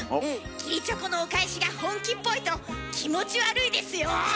義理チョコのお返しが本気っぽいと気持ち悪いですよ。